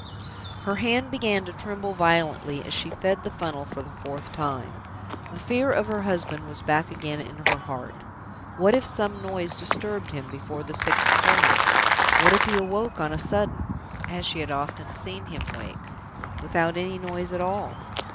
Her hand began to tremble violently as she fed the funnel for the fourth time. The fear of her husband was back again in her heart. What if some noise disturbed him before the sixth Pouring? What if he woke on a sudden (as she had often seen him wake) without any noise at all?